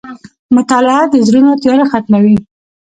• مطالعه د زړونو تیاره ختموي.